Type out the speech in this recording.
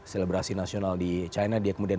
selebrasi nasional di china dia kemudian